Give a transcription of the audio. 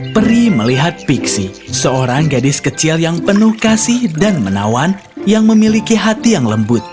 peri melihat pixie seorang gadis kecil yang penuh kasih dan menawan yang memiliki hati yang lembut